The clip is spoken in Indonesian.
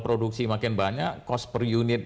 produksi makin banyak cost per unit